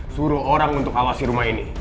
suruh orang untuk awasi rumah ini